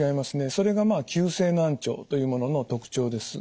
それがまあ急性難聴というものの特徴です。